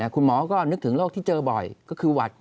คุณหมอก็นึกถึงโรคที่เจอบ่อยก็คือหวัด